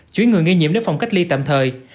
chuyển người nghi nhiễm đến phòng cách ly tạm thời